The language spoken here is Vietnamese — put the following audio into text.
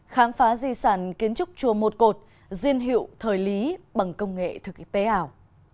khám phá di sản kiến trúc chùa một cột riêng hiệu thời lý bằng công nghệ thực tế ảo